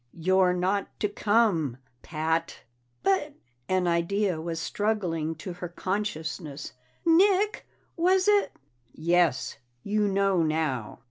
"You're not to come, Pat!" "But " An idea was struggling to her consciousness. "Nick, was it ?" "Yes. You know now."